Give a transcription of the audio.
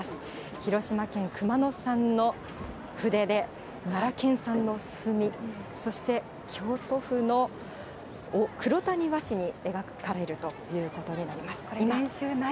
広島県熊野産の筆で、奈良県産の墨、そして京都府のくろたに和紙に描かれるということになります。